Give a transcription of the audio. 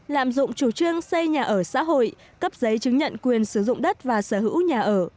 lạm dụng chủ trương xây nhà ở xã hội cấp giấy chứng nhận quyền sử dụng đất và sở hữu nhà ở